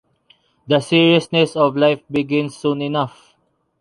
The seriousness of life begins soon enough.